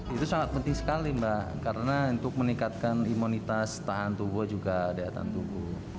itu sangat penting sekali mbak karena untuk meningkatkan imunitas tahan tubuh juga dekatan tubuh